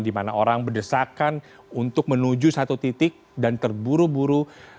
di mana orang berdesakan untuk menuju satu titik dan terburu buru